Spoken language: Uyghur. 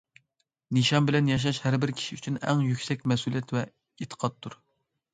نىشان بىلەن ياشاش ھەر بىر كىشى ئۈچۈن ئەڭ يۈكسەك مەسئۇلىيەت ۋە ئېتىقادتۇر.